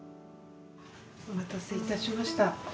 お待たせいたしました。